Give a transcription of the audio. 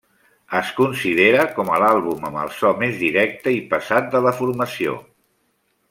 Es considera com a l'àlbum amb el so més directe i pesat de la formació.